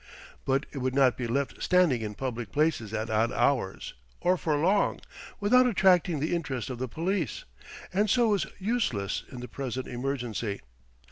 But it could not be left standing in public places at odd hours, or for long, without attracting the interest of the police, and so was useless in the present emergency.